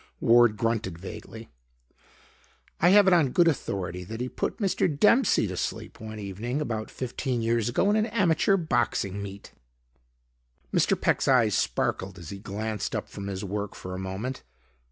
Ward grunted vaguely. "I have it on good authority that he put Mr. Dempsey to sleep one evening about fifteen years ago in an amateur boxing meet." Mr. Peck's eyes sparkled as he glanced up from his work for a moment.